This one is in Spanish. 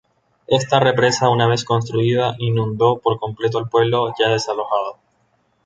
Esta represa, una vez construida, inundó por completo al pueblo ya desalojado.